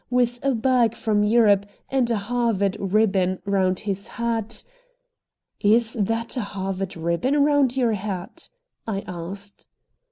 with a bag from Europe, and a Harvard ribbon round his hat " "Is that a Harvard ribbon round your hat?" I asked.